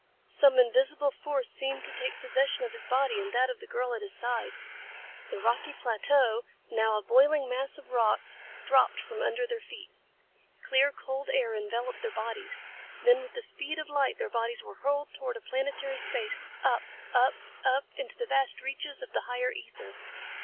Some invisible force seemed to take possession of his body and that of the girl at his side. The rocky plateau, now a boiling mass of rocks, dropped from under their feet. Clear, cold air enveloped their bodies. Then with the speed of light their bodies were hurled through planetary space, up, up, up into the vast reaches of the higher ether.